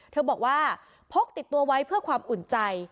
เธอบอกว่าพกติดตัวไว้เพื่อความอุ่นใจ